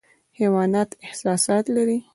حیوانات احساسات لري